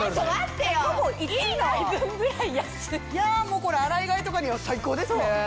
もうこれ洗い替えとかには最高ですね！